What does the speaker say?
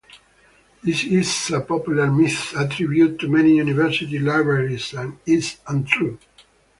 This is a popular myth attributed to many university libraries and is untrue.